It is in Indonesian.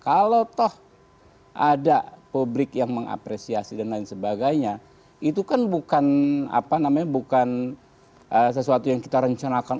kalau toh ada publik yang mengapresiasi dan lain sebagainya itu kan bukan sesuatu yang kita rencanakan